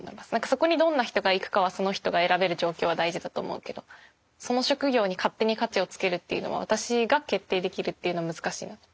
そこにどんな人が行くかはその人が選べる状況は大事だと思うけどその職業に勝手に価値をつけるっていうのは私が決定できるっていうのは難しいなと。